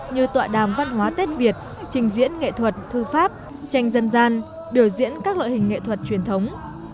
như tọa đàm văn hóa tết việt trình diễn nghệ thuật thư pháp tranh dân gian biểu diễn các loại hình nghệ thuật truyền thống